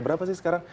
berapa sih sekarang